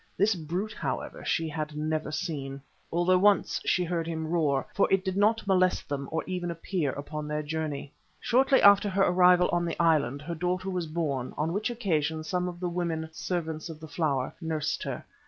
This brute, however, she had never seen, although once she heard him roar, for it did not molest them or even appear upon their journey. Shortly after her arrival on the island her daughter was born, on which occasion some of the women "servants of the Flower" nursed her.